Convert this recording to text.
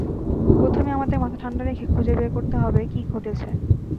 প্রথমে আমাদের মাথা ঠান্ডা রেখে খুঁজে বের করতে হবে কী ঘটেছে!